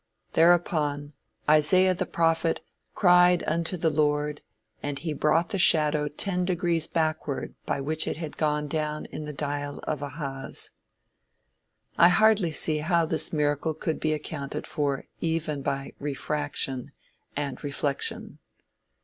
Thereupon, "Isaiah the prophet cried unto the Lord, and he brought the shadow ten degrees backward by which it had gone down in the dial of Ahaz." I hardly see how this miracle could be accounted for even by "refraction" and "reflection."